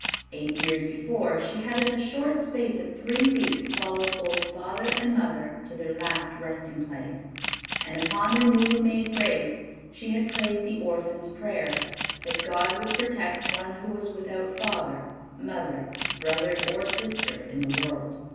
Eight years before she had in the short space of three weeks followed both father and mother to their last resting place, and upon their newly made graves she had prayed the orphan's prayer, that God would protect one who was without father, mother, brother or sister in the world.